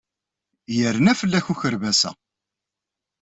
Yerna fell-ak ukerbas-a.